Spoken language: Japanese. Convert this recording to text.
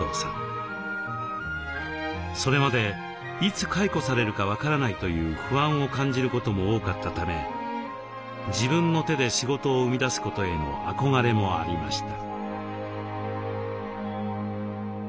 それまでいつ解雇されるか分からないという不安を感じることも多かったため自分の手で仕事を生み出すことへの憧れもありました。